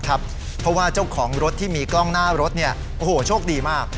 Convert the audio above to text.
ของรถที่มีกล้องหน้ารถเนี่ยโอ้โหโชคดีมาก